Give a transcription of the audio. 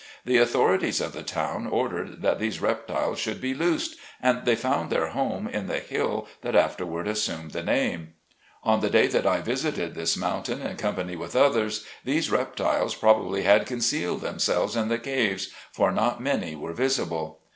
The authorities of the town ordered that these reptiles should be loosed, and CHURCH WORE. 55 they found their home in the hill that afterward assumed the name. On the day that I visited this mountain in company with others, these reptiles probably had concealed themselves in the caves, for not many were visible.